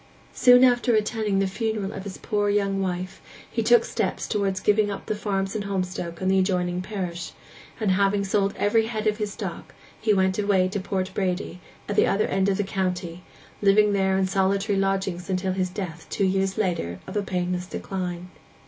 Soon after attending the funeral of his poor young wife he took steps towards giving up the farms in Holmstoke and the adjoining parish, and, having sold every head of his stock, he went away to Port Bredy, at the other end of the county, living there in solitary lodgings till his death two years later of a painless decline.